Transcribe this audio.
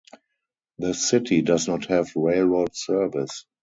The city does not have railroad service.